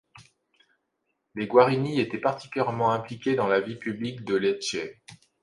Les Guarini étaient particulièrement impliquée dans la vie publique de Lecce.